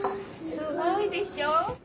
すごいでしょ。